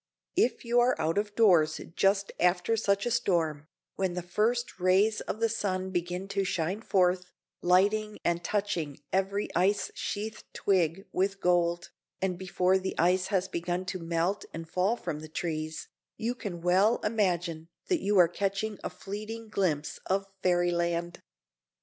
If you are out of doors just after such a storm, when the first rays of the sun begin to shine forth, lighting and touching every ice sheathed twig with gold, and before the ice has begun to melt and fall from the trees, you can well imagine that you are catching a fleeting glimpse of fairyland!